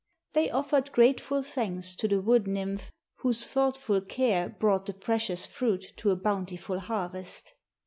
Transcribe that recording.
They offered grateful thanks to the wood nymph whose thoughtful care brought the precious fruit to a bountiful harvest.